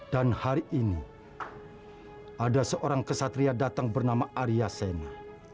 dan hari ini ada seorang kesatria datang bernama aryasena